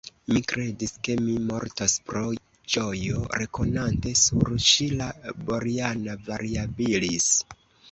Mi kredis, ke mi mortos pro ĝojo, rekonante sur ŝi la Boriana variabilis.